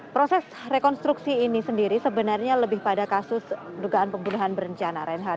proses rekonstruksi ini sendiri sebenarnya lebih pada kasus dugaan pembunuhan berencana renhat